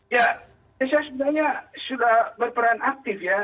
ya indonesia sebenarnya sudah berperan aktif ya